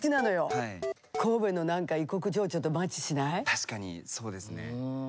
確かにそうですね。